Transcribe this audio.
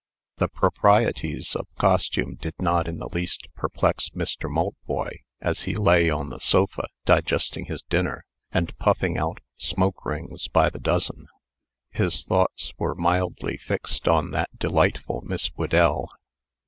The proprieties of costume did not in the least perplex Mr. Maltboy, as he lay on the sofa digesting his dinner, and puffing out smoke rings by the dozen. His thoughts were mildly fixed on that delightful Miss Whedell.